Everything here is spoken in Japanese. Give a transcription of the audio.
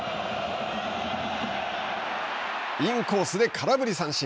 インコースで空振り三振。